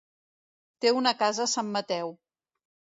Té una casa a Sant Mateu.